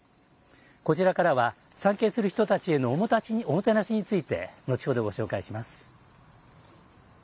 こちらからは参詣する人たちへのおもてなしについて後ほどご紹介します。